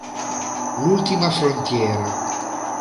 L'ultima frontiera